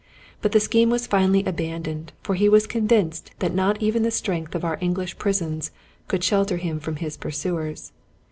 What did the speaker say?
But the scheme was finally abandoned, for he was convinced that not even the strength of our English prisons could shelter him from his pursuers.